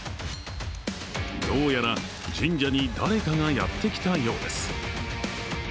どうやら神社に誰かがやってきたようです。